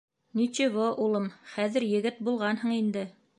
— Ничего, улым, хәҙер егет булғанһың инде.